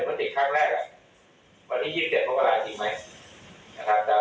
ตอนนี้เป็นอย่างนี้อยู่แต่ว่าจะอะไรก็แล้วแต่